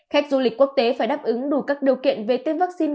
khách du lịch quốc tế phải đáp ứng đủ các điều kiện về tiêm vaccine